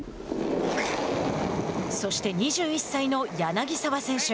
そして２１歳の柳澤選手。